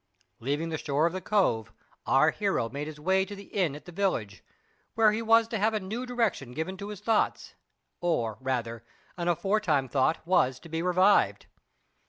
Leaving the shore of the cove, our hero made his way to the inn at the village, where he was to have a new direction given to his thoughts or, rather, an aforetime thought was to be revived.